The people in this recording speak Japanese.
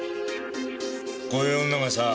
こういう女がさぁ